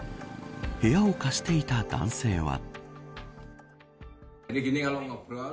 部屋を貸していた男性は。